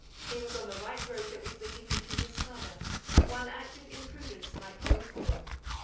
He was on the right road that was leading him to his father: one act of imprudence might ruin all.